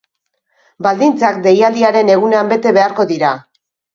Baldintzak deialdiaren egunean bete beharko dira.